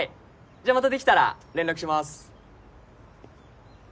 じゃあまたできたら連絡します。